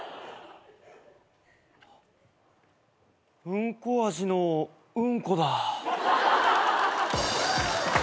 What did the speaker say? うんこ味のうんこだ。